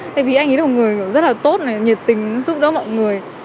tại vì anh ấy là một người rất là tốt nhiệt tình giúp đỡ mọi người